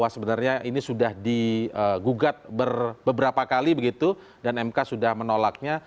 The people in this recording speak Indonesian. sebenarnya ini sudah digugat beberapa kali begitu dan mk sudah menolaknya